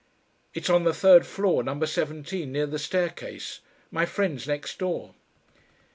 "It's on the third floor, Number seventeen, near the staircase. My friend's next door."